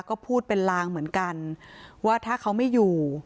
ก็พูดเป็นลางเหมือนกันว่าถ้าเขาไม่อยู่